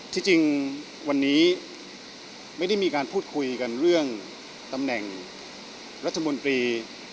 ที่จริงวันนี้ไม่ได้มีการพูดคุยกันเรื่องตำแหน่งรัฐมนตรี